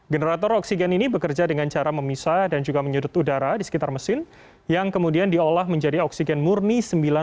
generator oksigen ini bekerja dengan cara memisah dan juga menyudut udara di sekitar mesin yang kemudian diolah menjadi oksigen murni sembilan